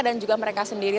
dan juga mereka selalu